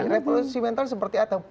revolusi mental seperti apa